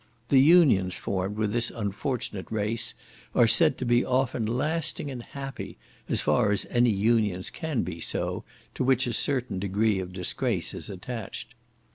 The unions formed with this unfortunate race are said to be often lasting and happy, as far as any unions can be so, to which a certain degree of disgrace is attached.